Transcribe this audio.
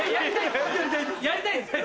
やりたいんですね？